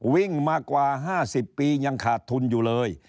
วิ่งมากว่า๕๐ปียังขาดทุนอยู่เลย